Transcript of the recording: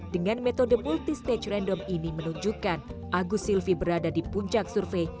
dengan metode multistage random ini menunjukkan agus silvi berada di puncak survei